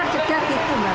ledak ledak gitu mbak